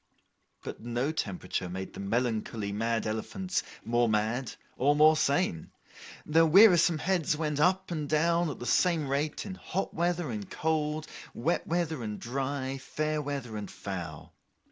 But no temperature made the melancholy mad elephants more mad or more sane. Their wearisome heads went up and down at the same rate, in hot weather and cold, wet weather and dry, fair weather and foul.